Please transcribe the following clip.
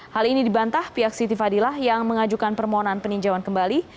hal ini dibantah pihak siti fadila yang mengajukan permohonan peninjauan kembali